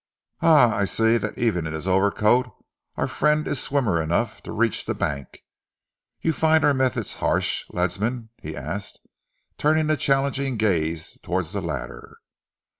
"Ah! I see that even in his overcoat our friend is swimmer enough to reach the bank. You find our methods harsh, Ledsam?" he asked, turning a challenging gaze towards the latter.